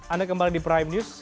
anda kembali di prime news